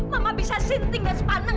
mama bisa sinting dan sepaneng